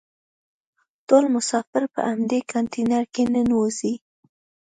ټول مسافر په همدې کانتینر ننوزي.